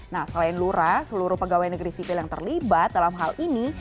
nah selain lurah seluruh pegawai negeri sipil yang terlibat dalam hal ini